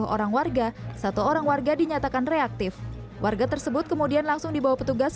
satu ratus dua puluh orang warga satu orang warga dinyatakan reaktif warga tersebut kemudian langsung dibawa petugas